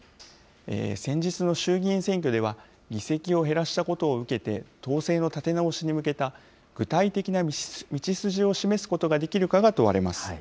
先日の衆議院選挙では、議席を減らしたことを受けて、党勢の立て直しに向けた具体的な道筋を示すことができるかが問われます。